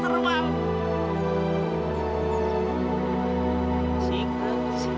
terbangin burungnya yuk